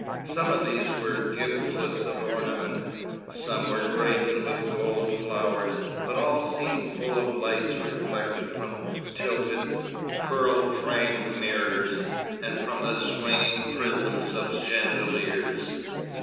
Some of these were guiltless of ornament, some were graven with gold flowers, but all seemed full of lights reflected from tilted, pearl framed mirrors, and from the swinging prisms of chandeliers.